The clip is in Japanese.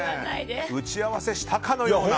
打ち合わせしたかのような。